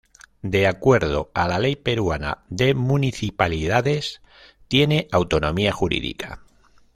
De acuerdo a la ley peruana de municipalidades tiene autonomía jurídica.